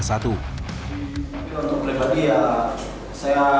saya juga ingin membantu mereka untuk kembali ke performa